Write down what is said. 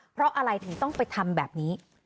เพราะอะไรถึงต้องไปทำแบบนี้